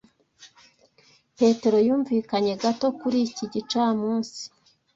Petero yumvikanye gato kuri iki gicamunsi.